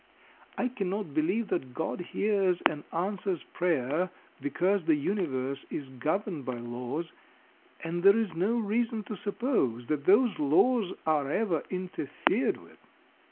I cannot believe that God hears and answers prayer, because the universe is governed by laws, and there is no reason to suppose that those laws are ever interfered with.